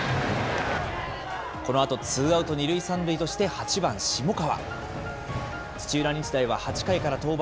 このあとツーアウト２塁３塁として、８番下川。